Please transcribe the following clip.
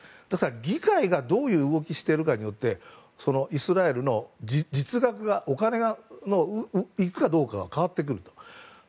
議会がどういう動きをしてるかによってイスラエルの実額がお金が行くかどうかが変わってくると。